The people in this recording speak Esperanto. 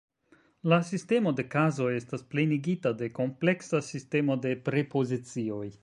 La sistemo de kazoj estas plenigita de kompleksa sistemo de prepozicioj.